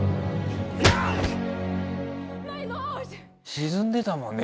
沈んでたもんね